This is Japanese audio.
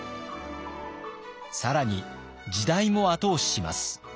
更に時代も後押しします。